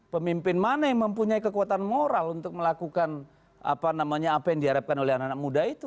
pemimpin mana yang mempunyai kekuatan moral untuk melakukan apa namanya apa yang diharapkan oleh anak anak muda itu